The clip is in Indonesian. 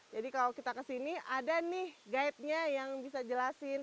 jadi kalau kita ke sini ada nih guide nya yang bisa jelasin